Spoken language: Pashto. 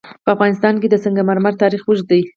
په افغانستان کې د سنگ مرمر تاریخ اوږد دی.